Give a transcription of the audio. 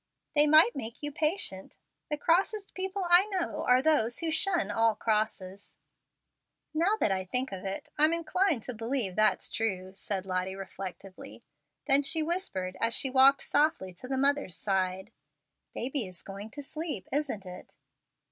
"They might make you patient. The crossest people I know are those who shun all crosses." "Now I think of it, I'm inclined to believe that's true," said Lottie, reflectively. Then she whispered, as she walked softly to the mother's side, "Baby is going to sleep, isn't it?"